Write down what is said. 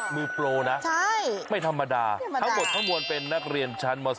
มือโปรนะไม่ธรรมดาทั้งหมดทั้งมวลเป็นนักเรียนชั้นม๒